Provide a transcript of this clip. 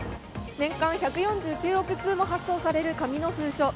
年間１４９億通も発送される紙の封書。